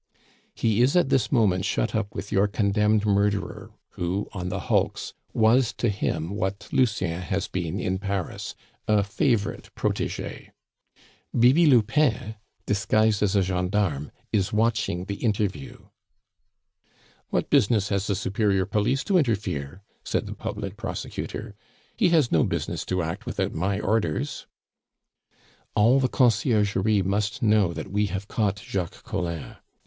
"He is at this moment shut up with your condemned murderer, who, on the hulks, was to him what Lucien has been in Paris a favorite protege. Bibi Lupin, disguised as a gendarme, is watching the interview." "What business has the superior police to interfere?" said the public prosecutor. "He has no business to act without my orders!" "All the Conciergerie must know that we have caught Jacques Collin.